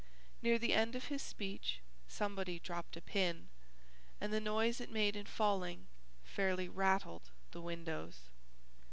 Near the end of his speech somebody dropped a pin, and the noise it made in falling fairly rattled the windows.